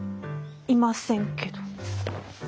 いませんけど。